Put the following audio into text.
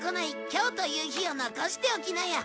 今日という日を残しておきなよ。